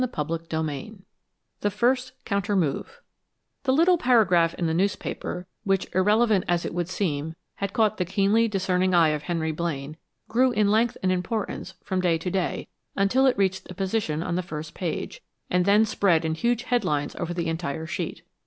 CHAPTER VI THE FIRST COUNTER MOVE The little paragraph in the newspaper, which, irrelevant as it would seem, had caught the keenly discerning eye of Henry Blaine, grew in length and importance from day to day until it reached a position on the first page, and then spread in huge headlines over the entire sheet.